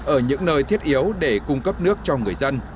ở những nơi thiết yếu để cung cấp nước cho người dân